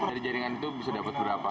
dari jaringan itu bisa dapat berapa